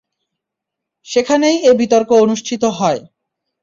সেখানেই এ বিতর্ক অনুষ্ঠিত হয়।